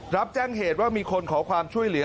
รับแจ้งเหตุว่ามีคนขอความช่วยเหลือ